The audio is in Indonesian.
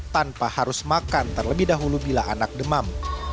tanpa harus makan terlebih dahulu bila anak demam